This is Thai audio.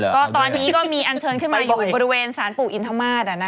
ก็ตอนนี้ก็มีอันเชิญขึ้นมาอยู่บริเวณสารปู่อินทมาตร